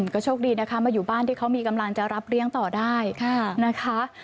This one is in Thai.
ก็โชคดีนะคะมาอยู่บ้านที่เขามีกำลังจะรับเลี้ยงต่อได้นะคะ